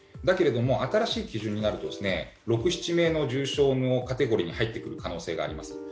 だけれども新しい基準になると６７名が重症のカテゴリーに入ってくる可能性があります。